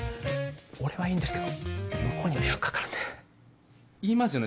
俺はいいんですけど向こうに迷惑かかるんで言いますよね